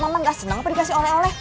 mama gak senang apa dikasih oleh oleh